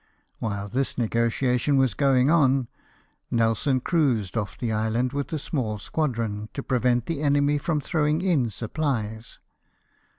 A^Hiile this negotiation was going on. Nelson cruised off the island with a small squadron, to prevent the enemy from throwing in supplies.